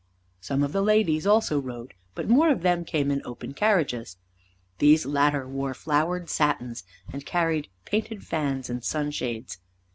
Some of the ladies also rode, but more of them came in open carriages. These latter wore flowered satins, and carried painted fans and sunshades.